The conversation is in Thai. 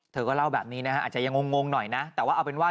เธอก็เล่าแบบนี้นะฮะอาจจะยังงงหน่อยนะแต่ว่าเอาเป็นว่า